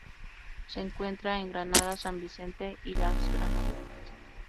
Se encuentra en Granada, San Vicente y las Granadinas.